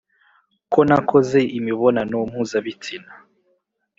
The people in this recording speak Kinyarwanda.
ko nakoze imibonano mpuzabitsina.